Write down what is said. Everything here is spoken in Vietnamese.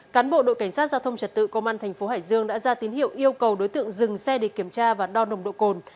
cán bộ đội cảnh sát giao thông trật tự công an thành phố hải dương đã ra tín hiệu yêu cầu đối tượng dừng xe để kiểm tra và đo nồng độ cồn